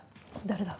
誰だ？